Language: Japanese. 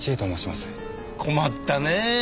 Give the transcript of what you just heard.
困ったねえ。